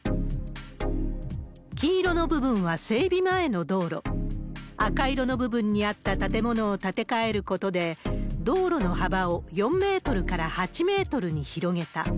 黄色の部分は整備前の道路、赤色の部分にあった建物を建て替えることで、道路の幅を４メートルから８メートルに広げた。